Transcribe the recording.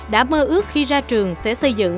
đã mơ ước khi ra trường sẽ xây dựng